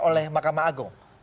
oleh makamah agung